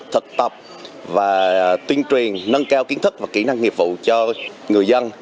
thực tập và tuyên truyền nâng cao kiến thức và kỹ năng nghiệp vụ cho người dân